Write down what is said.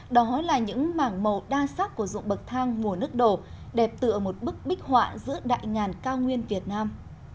đó là những mảng màu đa sắc của dụng bậc thang mùa nước đổ đẹp tựa một bức bích họa giữa đại ngàn cao nguyên việt nam